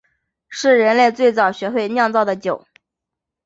是人类最早学会酿造的酒。